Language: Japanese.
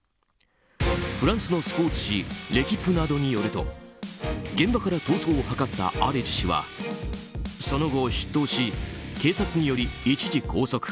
フランスのスポーツ紙レキップなどによると現場から逃走を図ったアレジ氏はその後、出頭し警察により一時拘束。